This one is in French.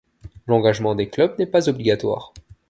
L'engagement des clubs n'est pas obligatoire.